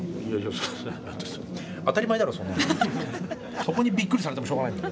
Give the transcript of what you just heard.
そこにびっくりされてもしょうがないんだよ。